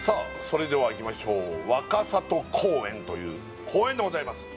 それではいきましょう若里公園という公園でございます